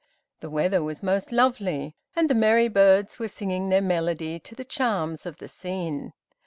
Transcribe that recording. The weather was most lovely, and the merry birds were singing their melody to the charms of the scene.